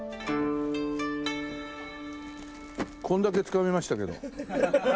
これだけつかめましたけど。